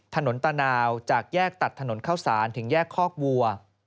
ตานาวจากแยกตัดถนนเข้าสารถึงแยกคอกวัว